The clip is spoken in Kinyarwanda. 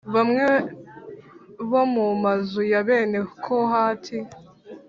bamwe bo mu mazu ya bene Kohati